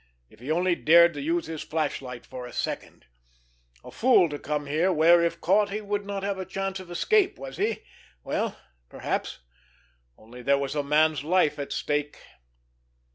If he only dared to use his flashlight for a second! A fool to come here where, if caught, he would not have a chance of escape, was he? Well, perhaps—only there was a man's life at stake.